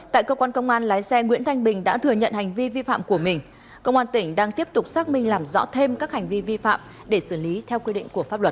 tại cơ quan công an lái xe nguyễn thanh bình đã thừa nhận hành vi vi phạm của mình công an tỉnh đang tiếp tục xác minh làm rõ thêm các hành vi vi phạm để xử lý theo quy định của pháp luật